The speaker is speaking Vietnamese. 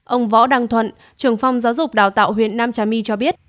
ông võ đăng thuận trưởng phòng giáo dục đào tạo huyện nam trà my cho biết